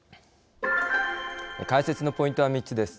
解説のポイントは３つです。